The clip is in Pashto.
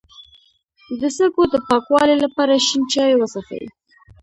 د سږو د پاکوالي لپاره شین چای وڅښئ